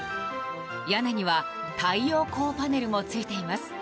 屋根には太陽光パネルもついています。